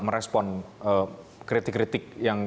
merespon kritik kritik yang